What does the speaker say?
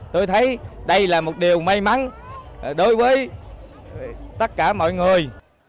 tôi thấy đây là một điều may mắn đối với tất cả mọi người